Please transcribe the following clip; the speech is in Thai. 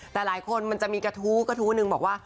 แต่หลายคนมันจะมีกระทู้กระทู้หนึ่งบอกว่า